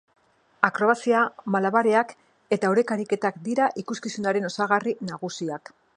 Akrobazia, malabareak eta oreka ariketak dira ikuskizunaren osagarri nagusiak.